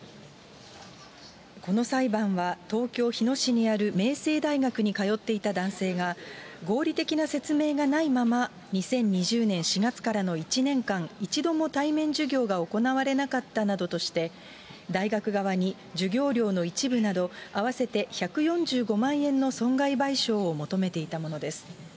この裁判は、東京・日野市にある明星大学に通っていた男性が、合理的な説明がないまま２０２０年４月からの１年間、一度も対面授業が行われなかったなどとして、大学側に授業料の一部など、合わせて１４５万円の損害賠償を求めていたものです。